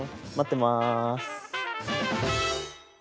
待ってます。